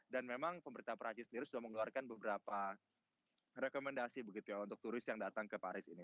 dan memang pemerintah perancis sendiri sudah mengeluarkan beberapa rekomendasi begitu untuk turis yang datang ke paris ini